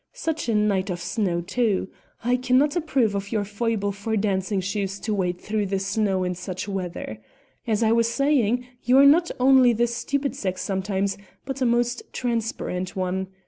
Such a night of snow too! I cannot approve of your foible for dancing shoes to wade through snow in such weather. As I was saying, you are not only the stupid sex sometimes, but a most transparent one.